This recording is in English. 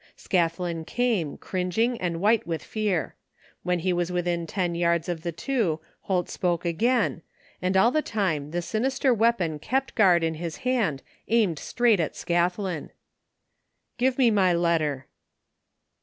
Scathlin came, cringing and white with fear. When he was within ten yards of the two Holt spoke again, and all the time the sinister weapon kept guard in his hand aimed straight at Scathlin. " Give me my letter.'